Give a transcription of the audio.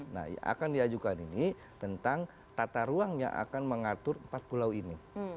nah yang akan diajukan ini tentang tata ruang yang akan mengatur empat pulau ini